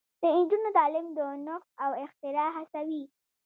د نجونو تعلیم د نوښت او اختراع هڅوي.